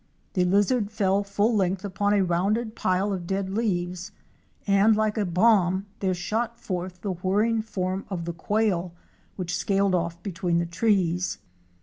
The lizard fell full length upon arounded pile of dead leaves and like a bomb there shot forth the whirring form of the Quail, which scaled off between the trees.